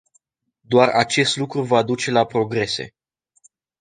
Doar acest lucru va duce la progrese!